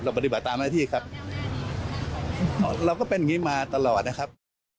ปฏิบัติตามหน้าที่ครับเราก็เป็นอย่างนี้มาตลอดนะครับ